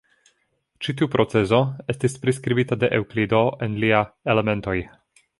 Ĉi tiu procezo estis priskribita de Eŭklido en lia "Elementoj".